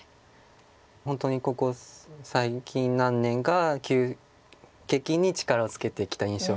本当にここ最近何年か急激に力をつけてきた印象があります。